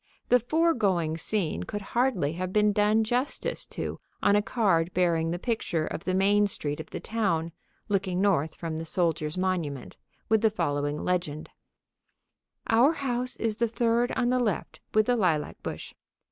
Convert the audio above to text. The foregoing scene could hardly have been done justice to on a card bearing the picture of the Main Street of the town, looking north from the Soldiers' Monument, with the following legend: "Our house is the third on the left with the lilac bush.